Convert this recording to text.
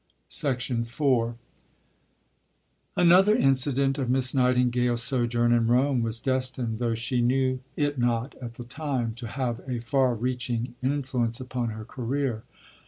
" Letter to M. Mohl, Nov. 21, 1869. IV Another incident of Miss Nightingale's sojourn in Rome was destined, though she knew it not at the time, to have a far reaching influence upon her career.